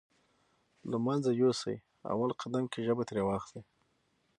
له منځه يوسې اول قدم کې ژبه ترې واخلئ.